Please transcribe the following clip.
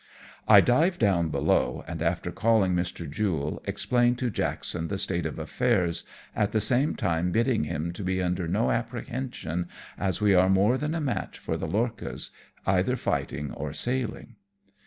I dive down below, and after calling Mr. Jule, explain to Jackson the state of affairs, at the same time bidding him to be under no apprehension, as we are more than a match for the lorchas, either fighting or sailing.